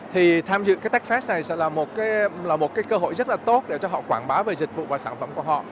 thì tham dự cái techfest này sẽ là một cái cơ hội rất là tốt để cho họ quảng bá về dịch vụ và sản phẩm của họ